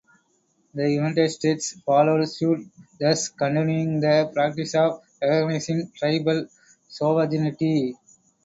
The United States followed suit, thus continuing the practice of recognizing tribal sovereignty.